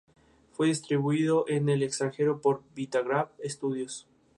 Las "Silene" son plantas de hojas opuestas, glabras o pubescentes.